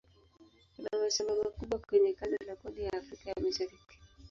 Kuna mashamba makubwa kwenye kanda la pwani ya Afrika ya Mashariki.